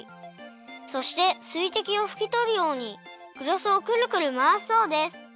そしてすいてきをふきとるようにグラスをくるくるまわすそうです。